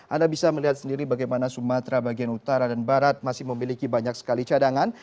anda bisa melihat sendiri bagaimana sumatera bagian utara dan barat masih memiliki banyak sekali cadangan